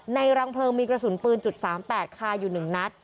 รังเพลิงมีกระสุนปืน๓๘คาอยู่๑นัด